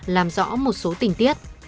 làm rõ một số tình tiết